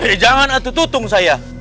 eh jangan atut utung saya